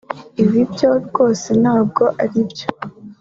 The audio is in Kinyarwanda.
Ibi byo rwose ntabwo ari byo